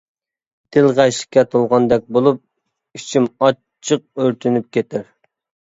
دىل غەشلىككە تولغاندەك بولۇپ، ئىچىم ئاچچىق ئۆرتىنىپ كېتەر.